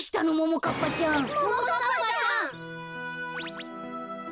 ももかっぱちゃん